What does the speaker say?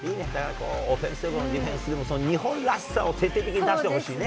オフェンスでも、ディフェンスでも日本らしさを徹底的に出してほしいね。